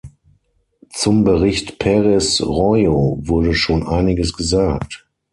Zum Bericht Perez Royo wurde schon einiges gesagt.